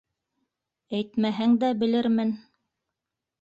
- Әйтмәһәң дә, белермен...